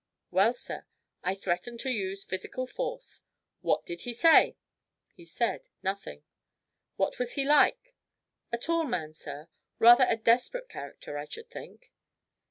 "Well, sir, I threatened to use physical force." "What did he say?" "He said nothing." "What was he like?" "A tall man, sir. Rather a desperate character, I should think."